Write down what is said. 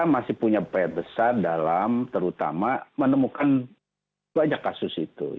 masih punya pr besar dalam terutama menemukan banyak kasus itu